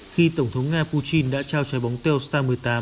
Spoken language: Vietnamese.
khi tổng thống nga putin đã trao trái bóng telstar một mươi tám